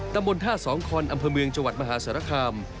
ตำบลท่าสองคอนอำเภอเมืองจังหวัดมหาสารคาม